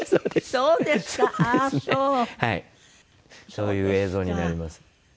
そういう映像になります。